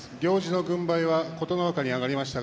軍配は琴ノ若に上がりました。